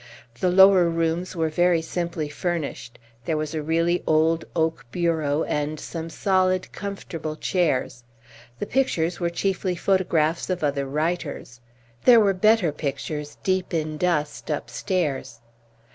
The lower rooms were very simply furnished. There was a really old oak bureau, and some solid, comfortable chairs. The pictures were chiefly photographs of other writers. There were better pictures deep in dust upstairs.